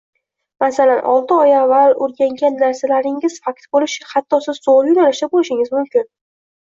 Masalan, olti oy avval oʻrgangan narsalaringiz fakt boʻlishi, hatto siz toʻgʻri yoʻnalishda boʻlishingiz mumkin